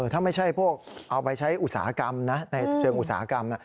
ถ้าไม่ใช่พวกเอาไปใช้อุตสาหกรรมนะในเชิงอุตสาหกรรม